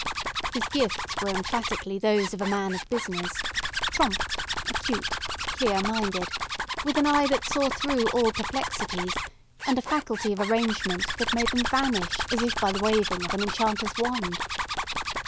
His gifts were emphatically those of a man of business; prompt, acute, clear minded; with an eye that saw through all perplexities, and a faculty of arrangement that made them vanish as by the waving of an enchanter's wand.